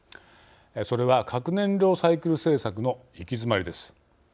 それは、核燃料サイクル政策の行き詰まりです。